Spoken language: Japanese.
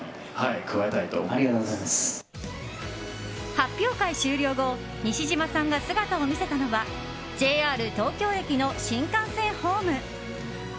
発表会終了後西島さんが姿を見せたのはＪＲ東京駅の新幹線ホーム。